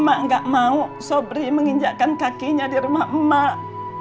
mak gak mau sobri menginjakkan kakinya di rumah mak